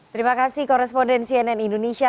terima kasih koresponden cnn indonesia